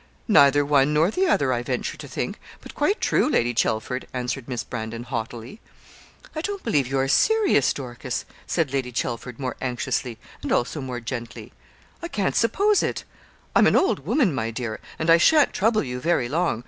'Neither one nor the other, I venture to think; but quite true, Lady Chelford,' answered Miss Brandon, haughtily. 'I don't believe you are serious, Dorcas,' said Lady Chelford, more anxiously, and also more gently. 'I can't suppose it. I'm an old woman, my dear, and I sha'n't trouble you very long.